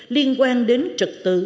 liên quan đến trật tự